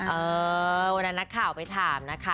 เออวันนั้นนักข่าวไปถามนะคะ